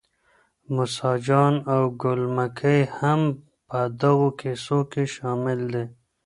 موسی جان او ګل مکۍ هم په دغو کیسو کي شامل دي.